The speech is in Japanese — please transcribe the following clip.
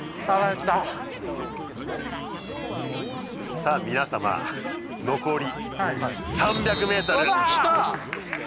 さあ皆様残り３００ｍきた！